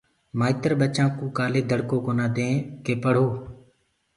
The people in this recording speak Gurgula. مآئيتر ٻچآن ڪو ڪآلي دڙڪو ڪونآ دين ڪي پڙهو